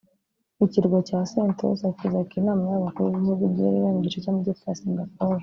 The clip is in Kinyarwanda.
Ikirwa cya Sentosa kizakira inama y’aba bakuru b’ibihugu giherereye mu gice cy’Amajyepfo ya Singapore